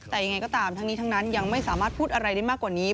แต่ยังไงก็ตามทั้งนี้ทั้งนั้นยังไม่สามารถพูดอะไรได้มากกว่านี้